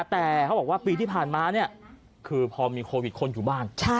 แต่เขาบอกว่าปีที่ผ่านมาเนี่ยคือพอมีโควิดคนอยู่บ้าน